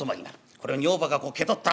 これを女房が気取った。